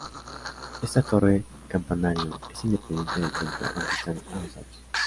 Esta torre-campanario es independiente del templo, aunque están adosados.